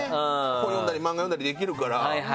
本読んだり漫画読んだりできるから。